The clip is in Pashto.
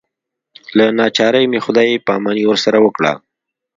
له ناچارۍ مې خدای پاماني ورسره وکړه.